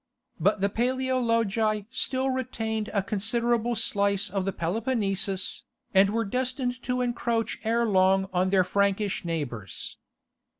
But the Paleologi still retained a considerable slice of the Peloponnesus, and were destined to encroach ere long on their Frankish neighbours.